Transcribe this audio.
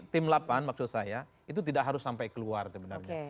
tim delapan maksud saya itu tidak harus sampai keluar sebenarnya